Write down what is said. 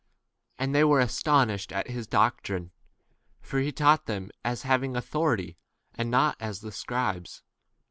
And they were astonished at his doctrine, for he taught them as having authority, and not as 23 the scribes.